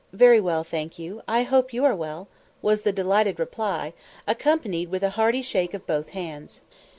"Very well, thank you. I hope you are well."] was the delighted reply, accompanied with a hearty shake of both hands.